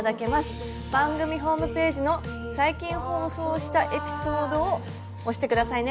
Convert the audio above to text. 番組ホームページの「最近放送したエピソード」を押して下さいね。